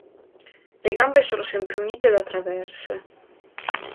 Le gambe sono sempre unite da traverse.